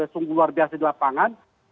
sungguh luar biasa di lapangan